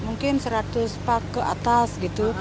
mungkin seratus pak ke atas gitu